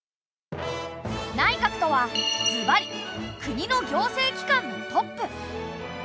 内閣とはずばり国の行政機関のトップ。